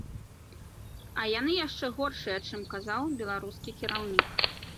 А яны яшчэ горшыя, чым казаў беларускі кіраўнік.